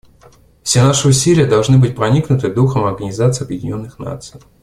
Все наши усилия должны быть проникнуты духом Организации Объединенных Наций.